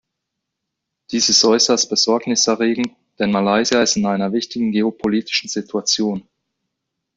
Dies ist äußerst besorgniserregend, denn Malaysia ist in einer wichtigen geopolitischen Situation.